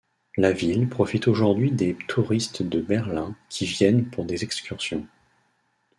La ville profite aujourd'hui des touristes de Berlin qui viennent pour des excursions.